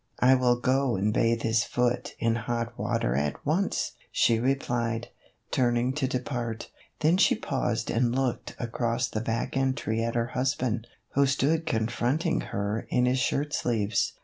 "I will go and bathe his foot in hot water at once," she replied, turning to depart. Then she paused and looked across the back entry at her hus band, who stood confronting her in his shirt sleeves.